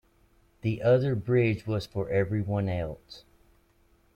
The other bridge was for everyone else.